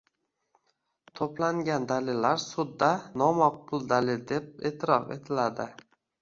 to‘plangan dalillar sudda nomaqbul dalil deb e’tirof etiladi.